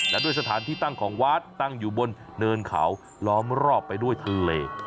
และด้วยสถานที่ตั้งของวัดตั้งอยู่บนเนินเขาล้อมรอบไปด้วยทะเล